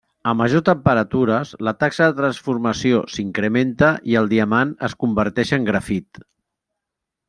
A majors temperatures, la taxa de transformació s'incrementa i el diamant es converteix en grafit.